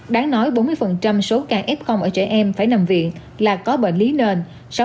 đáng nói bốn mươi số ca f ở trẻ em phải nằm viện là có bệnh lý nền